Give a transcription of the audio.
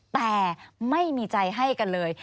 แต่ไม่มีใจให้กันเลย